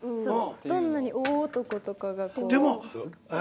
どんなに大男とかが。